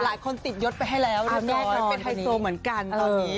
หลายคนติดยศไปให้แล้วนะแม่เคยเป็นไฮโซเหมือนกันตอนนี้